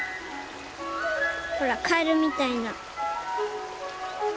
ほらカエルみたいな。